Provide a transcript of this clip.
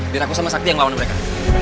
diraku sama sakti yang melawan mereka